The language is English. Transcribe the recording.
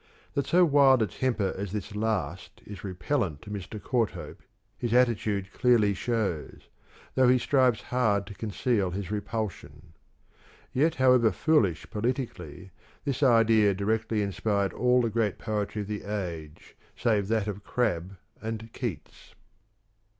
That so wild a temper as this last is repellent to Mr. Courthope his attitude clearly shows, though he strives hard to conceal his repulsion. Yet however foolish politically, this idea 229 230 CRITICAL STUDIES directly inspired all the great poetry of the age, save that of Crabbe and Keats.